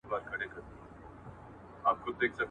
تاسي باید په خپله ځواني کي له بدو خویونو څخه توبه وباسئ.